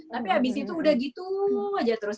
tapi abis itu udah gitu aja terus